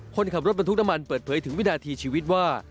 คนขับรถบรรทุกน้ำมันเปิดเผยถึงวินาทีชีวิตว่า